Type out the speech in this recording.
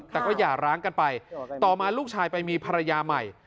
แต่ก็หย่าร้างกันไปต่อมาลูกชายไปมีภรรยาใหม่